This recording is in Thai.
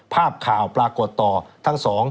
ภาพข่าวปรากฏต่อทั้งสอง